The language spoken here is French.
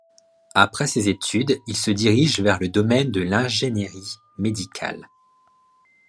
Après ses études, il se dirige vers le domaine de l’ingénierie médicale.